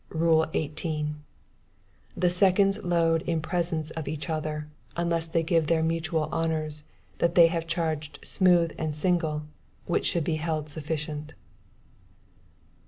"Rule 18. The seconds load in presence of each other, unless they give their mutual honors that they have charged smooth and single, which should be held sufficient.